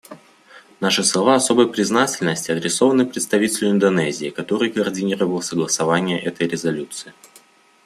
Наши слова особой признательности адресованы представителю Индонезии, который координировал согласование этой резолюции.